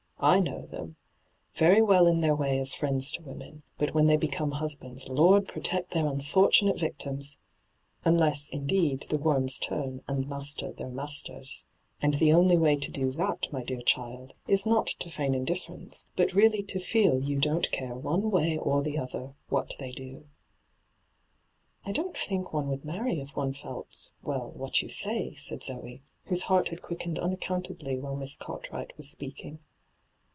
I know them ! Very well in their way as friends to women, but when they become husbands. Lord protect their unfor tunate victims 1 — unless, indeed, the worms turn, and master their masters. And the only way to do that, my dear child, is not to feign indifference, but really to feel you don't care one way or the other what they do.' ' I don't think one would marry if one felt — well, what you say,' said Zoe, whose heart had quickened unaccountably while Miss Cartwright was speaking.